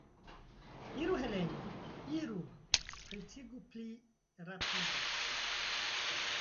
Iru, Helenjo, iru, pretigu pli rapide.